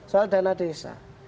soal dana desa